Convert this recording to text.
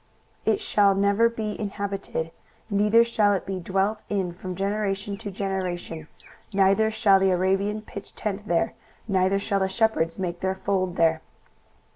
23:013:020 It shall never be inhabited, neither shall it be dwelt in from generation to generation: neither shall the Arabian pitch tent there; neither shall the shepherds make their fold there.